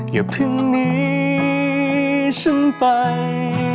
อย่าเพิ่งหนีฉันไป